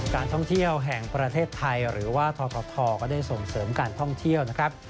การท่องเที่ยวแห่งประเทศไทยหรือว่าทกทก็ได้ส่งเสริมการท่องเที่ยวนะครับ